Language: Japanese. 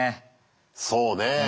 そうねぇ。